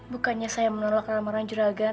bukannya saya menolak lamaran juragan